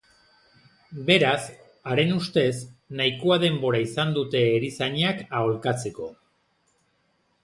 Beraz, haren ustez, nahikoa denbora izan dute erizainak aholkatzeko.